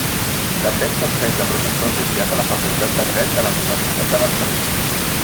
També exerceix de professor associat a la Facultat de Dret de la Universitat de Barcelona.